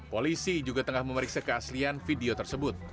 polisi juga tengah memeriksa keaslian video tersebut